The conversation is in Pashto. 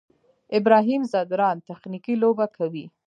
ابراهیم ځدراڼ تخنیکي لوبه کوي.